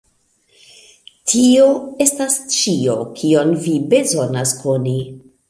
Tio estas ĉio kion vi bezonas koni.